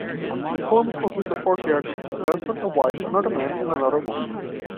The poems consist of four characters, a husband, wife, another man and another woman.